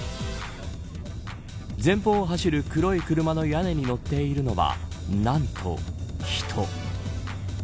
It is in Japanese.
前方を走る黒い車の屋根に乗っているのは何と、人。